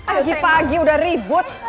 agi pagi udah ribut